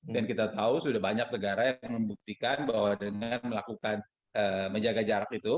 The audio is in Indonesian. dan kita tahu sudah banyak negara yang membuktikan bahwa dengan melakukan menjaga jarak itu